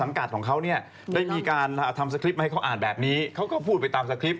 ทำสติพลิปให้เขาอ่านแบบนี้เขาก็พูดไปตามสติพลิป